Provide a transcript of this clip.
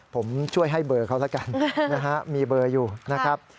ผมช่วยให้เบอร์เขาแล้วกันนะฮะมีเบอร์อยู่นะครับ